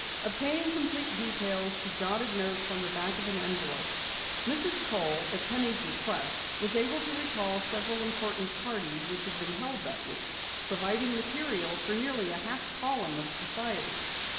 Obtaining complete details, she jotted notes on the back of an envelope. Mrs. Kohl, at Penny's request, was able to recall several important parties which had been held that week, providing material for nearly a half column of society.